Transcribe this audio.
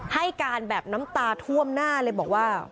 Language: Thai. ให้การแบบน้ำตาท่วมหน้าเลยบอกว่า